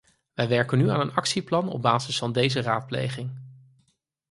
We werken nu aan een actieplan op basis van deze raadpleging.